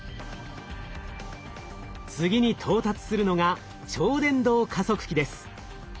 次に到達するのが超伝導加速器です。